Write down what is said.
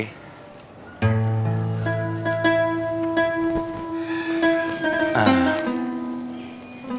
pasti ini ada apa apanya ya